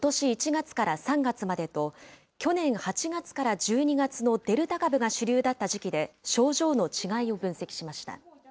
１月から３月までと、去年８月から１２月のデルタ株が主流だった時期で、症状の違いを分析しました。